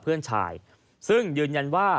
เธอเล่าต่อนะครับ